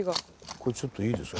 これちょっといいですか。